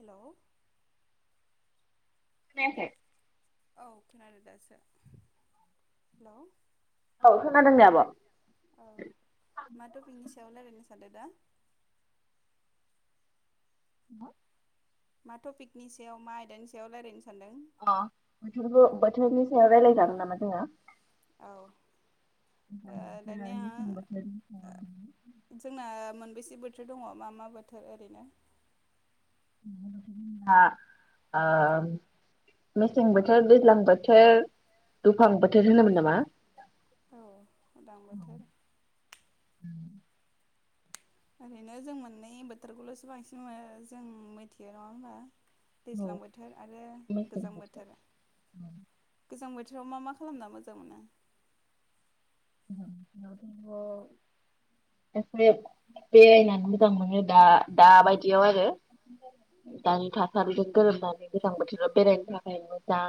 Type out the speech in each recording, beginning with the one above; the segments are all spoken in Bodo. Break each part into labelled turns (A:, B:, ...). A: हेलौ
B: खोनायाखै
A: औ खोनदों दासो हेलौ
B: औ खोनादों दे आब'। अ
A: औ मा टफिकनि सायाव रायलायनो सान [unintelligible]
B: [unintelligible]
A: मा टपिकनि सायाव मा आयदानि सायाव रायलायनो सानदों?
B: अ बोथोरबो बोथोरनि सायाव रायलायजागोन नामा जोङो
A: औ ओ दानिया
B: मेसें बोथोरनि सायाव
A: ओ जोंना मोनबेैसे बोथ थोर दङ मा मा बोथोर ओरैनो
B: ओ मेसें बोथोर दैज्लां बोथोर दुफां बोथोर होनोमोन नामा।
A: औ उदां बोथोर ओरैनो जों मोननै बोथोरखौल'सो बांसिन मो जों मिथियो नङा होमबा।
B: औ
A: दैज्लां बोथोर आरो गोजां बोथोर गोजां बोथोर बोथोराव मा मा खालामना मोजां मोनो
B: गोजां बोथोरावथ' एसे बेरायनानै मोजां मोनो दा दाबायदियाव आरो दानि थासारिखौ गोरोबनानै गोजां बोथोराव बेरायनो थाखाय मोजां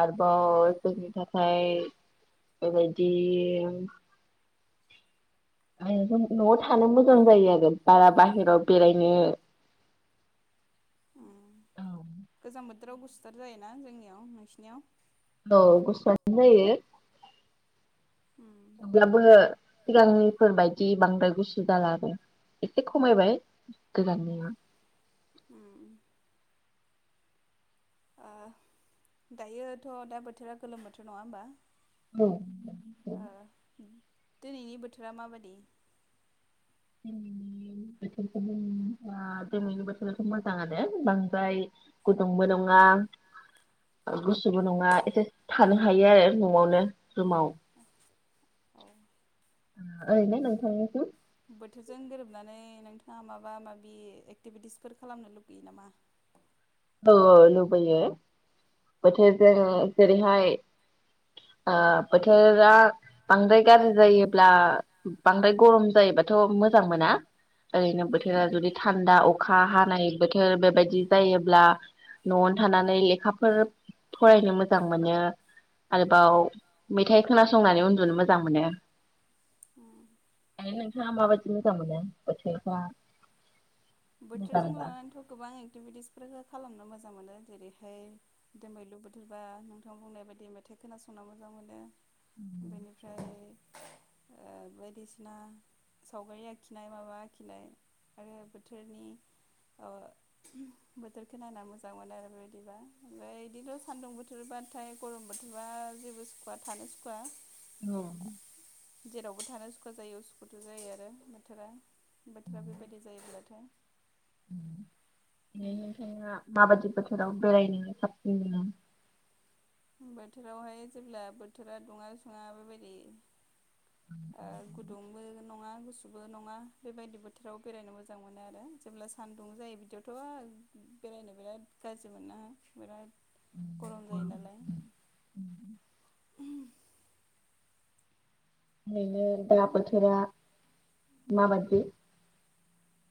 B: आरोबाव जोंनि थाखाय बेबायदि -दि आ न'आव थानो मोजां जायो आरो बारा बाहेराव बेरायनो
A: उम
B: औ
A: गोजां बोथोराव गुसुथार जायोना जोंनियाव नोंसिनियाव
B: औ गसुवानो जायो
A: उम
B: अब्लाबो सिगांनिफोरबायायदि बांद्राय गुसु जाला आरो एसे खमायबाय गोजाननिया
A: उम ओ दायोथ' दा बोथोरा गोलोम बोथोर नङा होमबा
B: औ
A: ओ दिनैनि बोथोरा माबादि
B: दिनैनि बोथोरखौ दिनैनि बोथोराथ' मोजाङानो बांद्राय गुदुंबो नङा गुसुबो नङा एसे थानो हायो आरो न'आवनो रुमाव
A: औ
B: ओरैनो नोंथांनिसिम
A: बोथोरजों गोरोबनानै नोंथाङा माबा माबि एक्टिभिटिसफोर खालामनो लुगैयो नामा
B: औ औ लुबैयो बोथोरजों जेरैहाय ओ बोथोरा बांद्राय गाज्रि जायोब्ला बांद्राय गरम जायोबाथ' मोजां मोना ओरैनो
A: उम
B: बोथोरा जुदि थान्दा अखा हानाय बोथोर बेबायदि जायो ल्बा न'आवनो थानानै लेखाफोर फरायनो मोजां मोनो आरोबाव मेथाइ खोनासंनानै उन्दुनो मोजां मोनो
A: उम
B: माबायदि मोजां मोनो बोथोरफ्रा
A: बोथोरजों
B: मोजांबा
A: लानानैथ' गोबां एकटिभिटिसफोर हो खालामनो मोजां मोनो जेरैहाय दोमैलु बोथोरबा नोंथां बुंनाय बायदि मेथाइ खोनासंनो मोजां मोनो बेनिफ्राय बायदिसिना सावगारि आखिनाय माबा आखिनाय आरो बोथोरनि ओ बोथोरखौ नायना मोजां मोन आरो बेबायदिबा ओमफ्राय बिदिनो' सान्दुं बोथोरबाथाय गरम बोथोरबा जेबो सुखुवा थानो सुखुवा
B: ओमफ्राय
A: जेरावबो थानो सुखा जायो उसुखुथु जायो आरो बोथोरा बोथोरा बेबायदि जायोब्लाथ' द [inaudible]
B: उम ना माबादि फोराव बेरायनोङ साबसिन नङ
A: बोथोरावहाय जेब्ला बोथोरा दुङा सङा बेबायदि ओ गुदुंबो नङा गुसुबो नङा बेबायदि बोथोराव बेरायनो मोजां मोनो आरो जेब्ला सानदुं जायो बिदियावथ' बेरायनो बिराद गाज्रि मोना बिराद गरम जायो नालाय
B: ओरैनो दा बोथोरा माबायाददि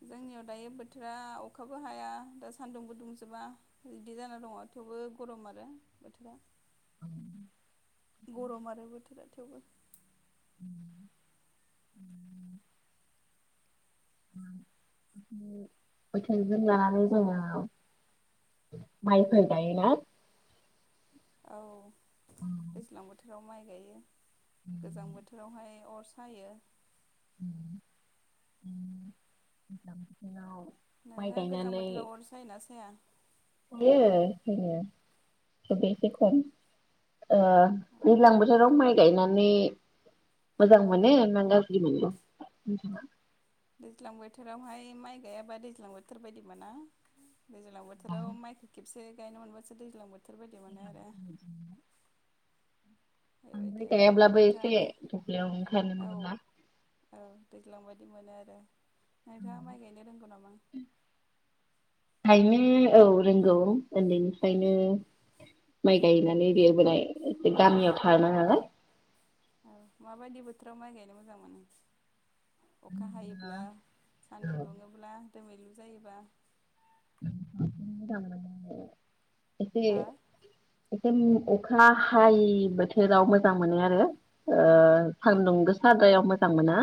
A: जोंनियाव दायो बोथोरा अखाबो हाया दा सान्दुंबो दुंजोबा बिदि जाना दङ थेवबो गरम आरो बोथोरा गरम आरो बोथोरा थेवबो
B: बोथिं जोंना जोङो माइफोर गायोना
A: औ दैज्लां बोथोर राव माइ गायो गोजां बोथोरावहाय अर सायो
B: नाव
A: नोंहा गोजां बोथोराव अर सायोना साया
B: बेनो ससेसे खम ओ
A: अ
B: दैज्लां बोथोराव माइ गायनानै मोजां मोनो ना गाज्रि मोनो?
A: दैज्लां बोथोरावहाय माइ गाययाबा दैज्लां बोथोर बायदि मोना दैज्लां बोथोराव माइखौ खेबसे गायनो मोनबासो दैज्लां बोथोर। बोथोरबायदि मोनो आरो। बेबायदि
B: बांद्राय
A: आरो
B: गायाब्लाबो एसे
A: नोंथाङालाय
B: दुब्लियाव
A: औ
B: ओंखारनो ना
A: औ दैज्लां बायदि मोनो आरो नोंथाङा माइ गायनो रोंगौ नामा?
B: गायनो औ रोंगौ उन्दैनिफ्रायनो माइ गायनानै देरबोनाय गामियाव थानाङाना।
A: औ माबायदि बोथोराव माइ गायनो मोजां मोनो अखा हायोब्ला सान्दुं दुङोब्ला दोमैलु जायोबा
B: माखौ मोजां मोनो नोंलाय एसे
A: हा
B: एसे अखा हायै बोथोराव मोजां मोनो आरो ओ सान्दुं गोसाद्रायाव मोजां मोना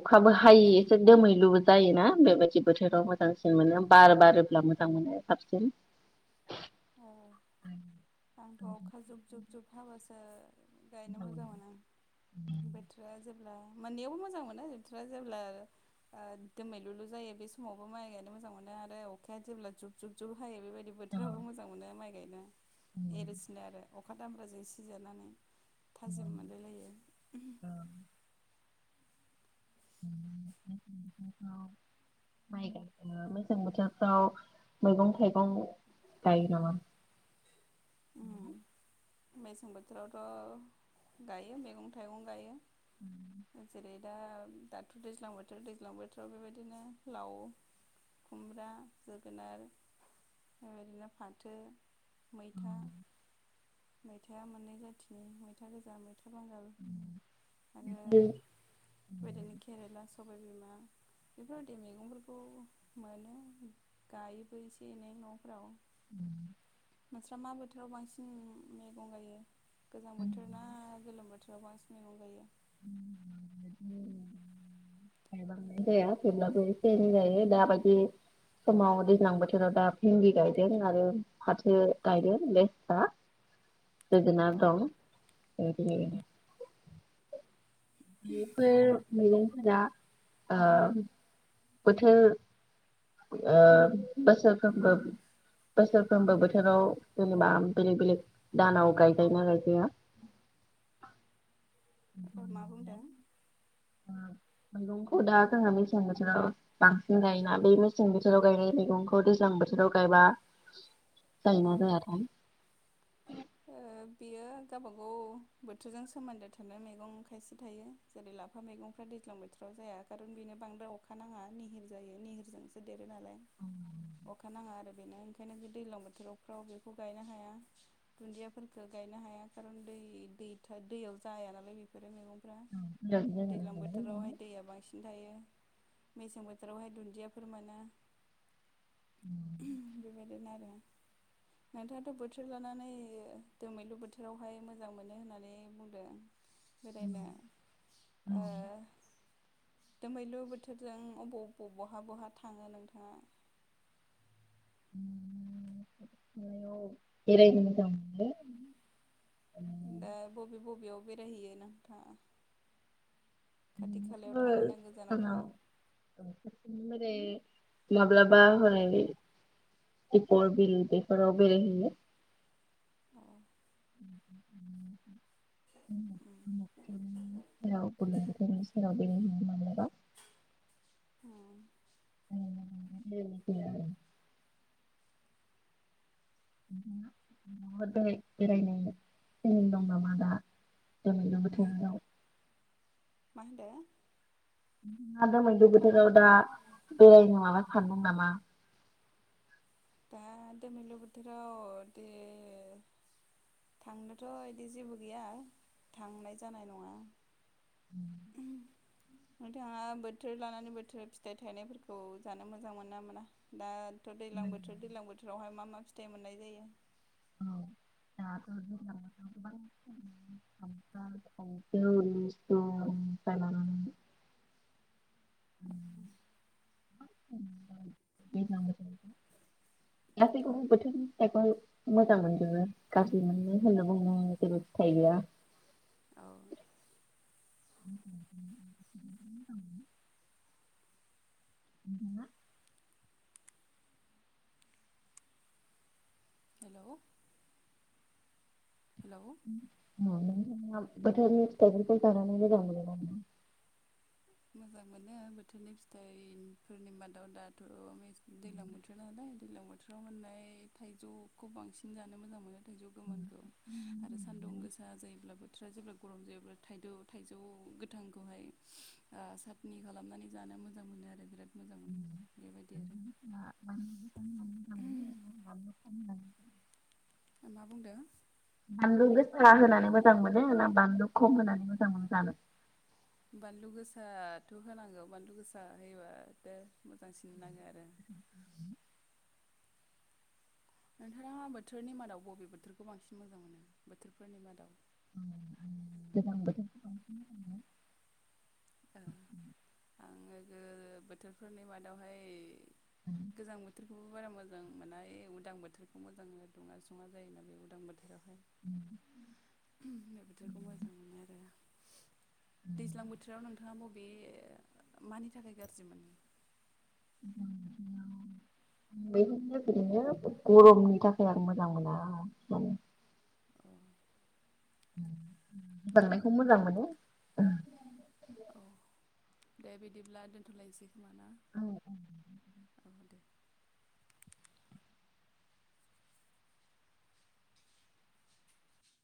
B: अखाबो हायि
A: औ
B: एसे दोमैलु जायोना बेबायदि बोथोराव मोजांसिन मोनो बार बारोब्ला मोजां मोनो साबसिन
A: हा आंथ' अखा जुब जुब जुब हाबासो गायनो मोजां मोनो आं बोथोरा जेबो अब्ला मोन्नैयावबो मोजां मोनो बथोरा जेब्ला ओ दोमैलुलु जायो बे समावबो माइ गायनो मोजां मोनो आरो अखाया जेब्ला जुब जुब जुब हायो बेबायदि बोथोरावबो मोजां दा माइ गायनो एरसिनो आरो अखा दामब्राजों सिजानानै थाजिम मोनलायलायो
B: मेसें बोथोरफ्राव माइ गायो मेसें बोथोरफ्राव मैगं थाइगं गायो नामा
A: उम
B: [unintelligible]
A: मेसें बोथोरावथ' गायो मैगं थाइगं गायो।
B: नामा
A: जेरै दा दाथ' दैज्लां बोथोर दैज्लां बोथोराव बेबायदिनो लाव खुमब्रा जोगोनार बेबायदिनो फाथो मैथ था मैथा मोननै जाथिनि मैथा गोजा मैथ मैथा बांगाल आरो बेदिनो केरेला सबाय बिमा बेफोरबायदि मैगंफोरखौ मोनो गायोबो एसे एनै न'फोराव
B: उम
A: मोनसे दा मा बोथोराव बांसिन मैगं गायो गोजां बोथोर ना गोलोम बोथोराव बांसिन मैगं गायो
B: [unintelligible] गायबांनाय जाया थेब्लाबो एसे एनै जायो दाबायदि समाव दैज्लां बोथोराव दा भिनदि गायदों आरो फाथो गायदों लेस्रा जोगोनार दं
A: औ
B: ओमफ्राय बेफोर मैगंफोरा ओ बोथोर ओ बोसोरफ्रोमबो बोसोरफ्रोमबो बोथोराव जेनेबा बेलेग बेलेग दानाव गायजायो ना गायजाया
A: मा बुंदों
B: [unintelligible] ओ मैगंखौ दा जोंहा मेसें बोथोराव बांसिन गायोना बे मेसें बोथोराव गायनाय मैगंखौ दैज्लां बोथोराव गायबा जायो
A: औ
B: ना जायाथाय
A: ओ बेयो गावबा गाव बोथोरजों सोमोन्दो थानाय मैगं खायसे थायो जेरै लाफा मैगंफ्रा दैज्लां बोथोराव जाया खारन बेनो बांद्राय अखा नाङा निहिर जायो निहिरजोंसो देरो नालाय अखा नाङा आरो बेनो ओंखायनो दैज्लां बोथोरावफ्राव बेखौ गायनो हाया दुन्दियाफोरखो गायनो हाया खारन दैथ दैयाव जाया नालाय बेफोरो मैगं फ्रा दैज्लां बोथोरावहाय दैया बांसिन थायो मेसें बोथोरावहाय दुन्दियाफोर मोनो बेबायदिनो आरो नोंथाङाथ' बोथोर लानानै दो दोमैलु बोथोरावहाय मोजां मोनो होननानै बुंदों बेरायनो ओ दोमैलु बोथोरजों अबाव अबाव बहा बहा थाङो नोंथाङा
B: उम बेरायनो मोजां मोनो
A: दा बबे बबेयाव बेराय हैयो नोंथाङा खाथि खालायाव
B: [inaudible]
A: थाङो ना गोजानाव थाङो
B: माब्लाबा हरै दिपर बिल बेफोरा बेरायहयो
A: औ
B: [inaudible]
A: उम
B: बेनि सेराव बेनिनो माब्लाबा
A: औ
B: [inaudible] [inaudible] बेरायनाय ओरैनो दं नामा दा? दोमैलु बोथोराव
A: माहोनदो?
B: नोंथाङा दोमैलु बोथोराव दा बेरायनो माबा सानदों नामा?
A: दा दमैलु बोथोराव दे थांनोथ' इदि जेबो गैया थांनाय जानाय नङा उम नोंथाङा बोथोर लानानै बोथोर फिथाइ थायनायफोरखौ जानो मोजां मोना मोना दा थ दैलां बो बोथोरावहाय मा मा फिथाइ मोननाय जायो?
B: औ दाथ गोबां गोबां [unintelligible] खानथाल थाइजौ लिसुनिफ्राय लानानै
A: [inaudible]
B: दैज्लां बोथोरनिखौ गासैखौबो बोथोरनि फिथाइखौ मोजां मोनजोबो गाज्रि मोनो होनना बुंनो जेबो फिथाइ गैया
A: औ
B: नोंथाङा
A: हेलौ हेलौ
B: [unintelligible] बोथोरनि फिथाइफोरखौ जानानै मोजां मोनोदा नोंथां?
A: मोजां मोनो बोथोरनि फिथाइफोरनि मादाव दाथ मे दैलां बोथोरनालाय दैलां बोथोराव मोननाय थाइजौखौ बांसिन जानो मोजां मोनो थाइजौ गोमोनखौ आरो सान्दुं गोसा जायोब्लाबो बोथोरा जेब्ला गरम जायोब्ला थाइदौ थाइजौ गोथांखौहाय आ सातनि खालामनानै जानो मोजां मोनो आरो बिराद मोजां मोनो बेबायदि आरो
B: [unintelligible]
A: ओ मा बुंदों?
B: सा होनानै मोजां मोनो ना बानलु खम होनानै मोजां मोनो जानो?
A: बानलु गोसाथ होनांगौ बानलु गोसा होयोबाथ मोजांसिन नाङो आरो। नोंथाङा बोथोरनि मादाव बबे बोथोरखौ बांसिन मोजां मोनो बोथोरफोरनि मादाव
B: गोजां बोथोर
A: आङोबो बोथोरफोरनि मादावहाय गोजां बोथोरखौबो बारा मोजां मोना उदां बोथोरखौ मोजांमोनो दुङा सङा जायोनालाय बे उदां बोथोरावहाय।
B: [inaudible]
A: बोथोरखौ मोजां मोनो आरो दैज्लां बोथोर राव नोंथाङा बबे मानि थाखाय गाज्रि मोनो?
B: [unintelligible] गरमनि थाखाय आं मोजां मोना
A: अ
B: गोजांनायखौ मोजां मोनो।
A: औ दे बिदिब्ला दोनथ लायनोसै खोमाना?
B: औ
A: [inaudible]